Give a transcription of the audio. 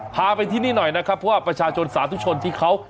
พาไปที่นี่หน่อยนะครับเพราะว่าประชาชนสาธุชนที่เขา